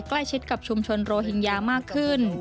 ใกล้ชิดกับชุมชนโรฮิงญามากขึ้น